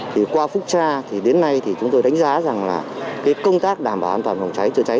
thì qua phúc tra thì đến nay thì chúng tôi đánh giá rằng là cái công tác đảm bảo an toàn phòng cháy chữa cháy